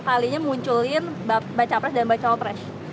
pertama kalinya munculin mbak capres dan mbak cotres